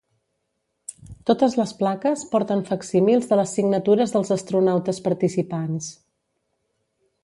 Totes les plaques porten facsímils de les signatures dels astronautes participants.